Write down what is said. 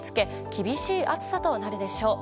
厳しい暑さとなるでしょう。